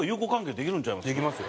できますよ。